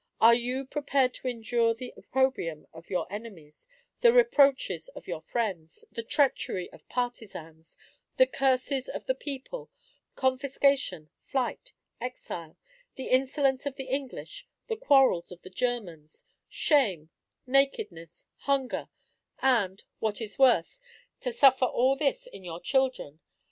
Are you prepared to endure the opprobrium of your enemies the reproaches of your friends the treachery of partisans the curses of the people confiscation, flight, exile the insolence of the English, the quarrels of the Germans shame, nakedness, hunger and, what is worse, to suffer all this in your children?